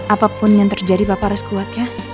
apa pun yang terjadi papa harus kuat ya